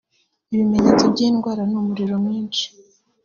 Ibimenyetso by’iyi ndwara ni umuriro mwinshi